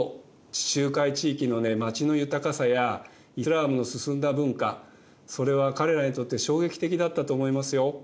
地中海地域のね街の豊かさやイスラームの進んだ文化それは彼らにとって衝撃的だったと思いますよ。